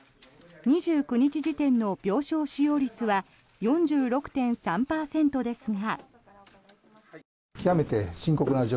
２９日時点の病床使用率は４６．３％ですが。